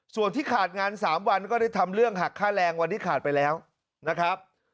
ส่วนที่ขาดงาน๓วันก็ได้ทำเรื่องหักค่าแรงวันที่ขาดไปแล้วนะครับ